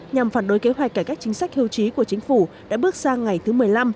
nhằm phản đối kế hoạch cải cách chính sách hưu trí của chính phủ đã bước sang ngày thứ một mươi năm